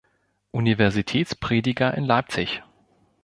Universitätsprediger in Leipzig.